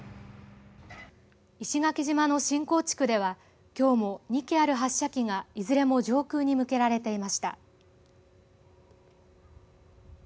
石垣島の新港地区ではきょうも２機ある発射機がいずれも上空に向けられていました。